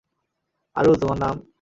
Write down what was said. আরুল - তোমার নাম?